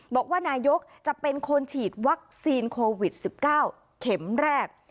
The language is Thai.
บอกว่านายกจะเป็นคนฉีดวัคซีนโควิด๑๙เข็มแรก